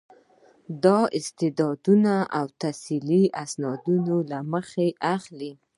دا د استعداد او تحصیلي اسنادو له مخې اخلي.